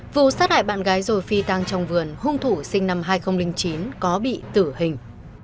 vụ sát hại bạn gái rồi phi tăng trong vườn hung thủ sinh năm hai nghìn chín có bị tử hình